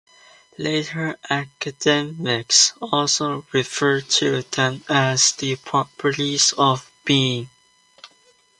Later academics also referred to them as the properties of being.